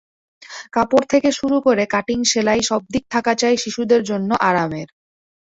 কাপড় থেকে শুরু করে কাটিং, সেলাই—সবদিক থাকা চাই শিশুদের জন্য আরামের।